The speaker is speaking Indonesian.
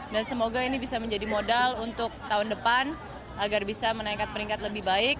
dan semoga ini bisa menjadi modal untuk tahun depan agar bisa menaikkan peringkat lebih baik